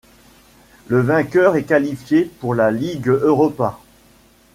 Le vainqueur est qualifié pour la Ligue Europa.